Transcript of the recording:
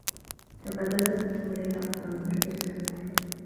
تبادلا سامي و ليلى أكثر من ألف رسالة حبّ.